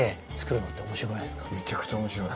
めちゃくちゃ面白い。